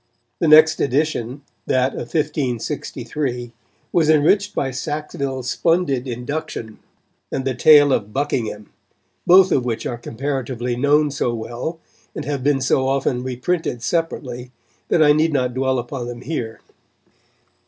The next edition, that of 1563, was enriched by Sackville's splendid "Induction" and the tale of "Buckingham," both of which are comparatively known so well, and have been so often reprinted separately, that I need not dwell upon them here.